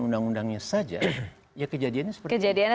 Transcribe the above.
undang undangnya saja ya kejadiannya